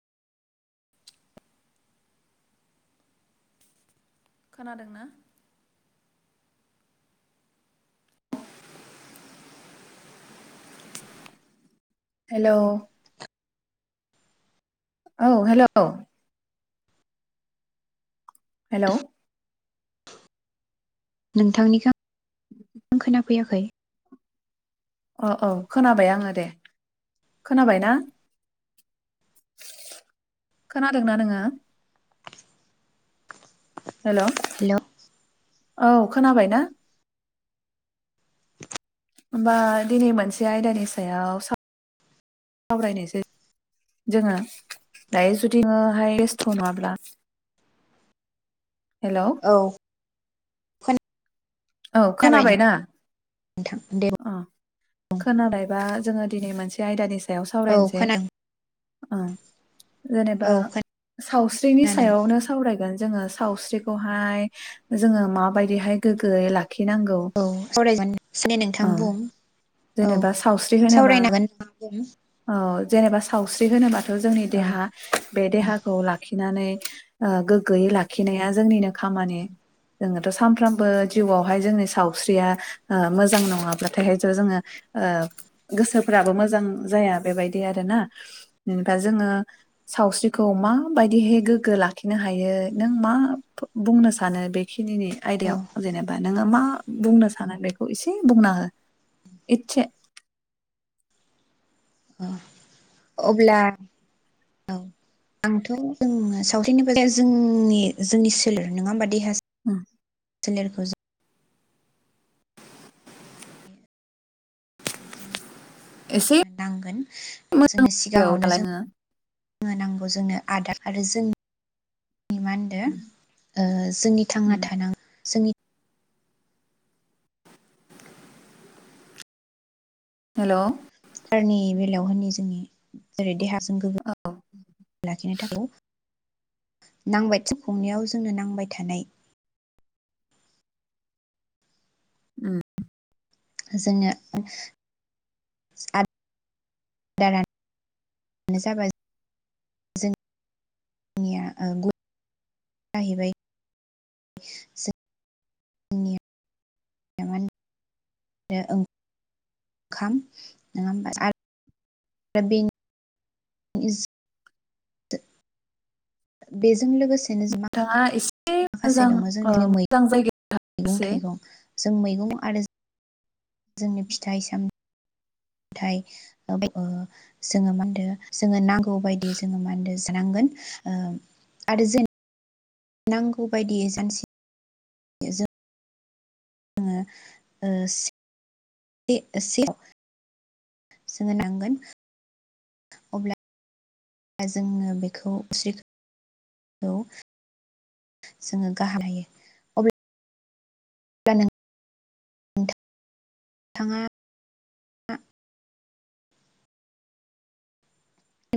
खोनादोंना? हेल'! औ hello! Hello! नोंथांनिखौ आं खोनाफैयाखै! अ औ खोनाबाय आङो दे खोनाबाय ना खोनादोंना नोङो? हेल'! हेल'! औ खोनाबाय ना? [unintelligible] होमबा दिनै मोनसे आयदानि सायाव सावरायनायसै जोङो दायो जुदि नोङोहाय बेस्थ' नङाब्ला? हेल'! औ औ खोनाबाय खोनाबायना? नोंथां दे ओं खोनाबायबा जोङो दिनै मोनसे जाय आयदानि सा सायाव औ सावरायनोसै। खोनादों ओं। जेनेबा औ सावस्रिनि खोनादों सायावनो सावरायगोन। जोङो सावस्रिखौहाय जोङो माबायदिहाय गोगो गै लाख [unintelligible] औ सारायनोसैब्लालाय ओ नोंथां बुं औ जेनेबा सावस्रि होनोबा सावरायनो हागोन नोंथां बुं औ जेनेबा सावस्रि होनोबा थ' जोंनि औ देहा बे देहाखौ लाखिनानै ओ गोग्गोयै लाखिनाया जोंनिनो खामानि जोङो थ' सामफ्रामबो जिउआवहाय जोंनि सावस्रिया ओ मोजां नङाब्लाथाय हायथ' जोङो ओ गोसोफ्राबो मोजां जाया बेबायदि आरोना दा जोङो सावस्रिखौ माबायदिहै गोग्गो लाखिनो हायो नों मा फ बुंनो सानो बेखि खिदिनि औ आयदायाव जेनेबा नोङो मा बुंनो साना बेखौ इसे बुंना हो। इतसे औ अब्ला औ आंथ' जों सावस्रिनि बादै जोंनि जोंनि सोलेर नङा ओमबा देहा उम लेरफोजो जों एसे नांगोन मोजां जोंनो जायगायाव सिगाङावनो दालाङो जों नांगौ जोंनो आदार आरो जों मा होनदो ओ जोंनि थांना थानां जोंनि हेलौ सारनि बेलायाव होननि जोंनि जेरै देहा जों गोग्गो लाखिनो थाखाय नांबाय थिखंनियाव जोंनो नांबाय थानाय। उम जोंनो [unintelligible] जाबाय जोंनिया ओ गु जाहैबाय जों [unintelligible] बेजों लोगोस थाङा इस माखासे दङ जोंनि मैगं एसे थाइगं जों मैगं आरो जोंनि फिथाइ साम थाइ ओ जोङो मा होनदो जोङो नां गौ बायदियै जोङो मा होनदो जो नांगोन ओम आरो जोन नांगौ बायदियै जानसि ङो ओ से ए सेयाव जोङो नांगोन अब्ला जोङो बेखौ [unintelligible] खौ जोङो गाहाम हायो अब्ल अब्ला नों थां थाङा आ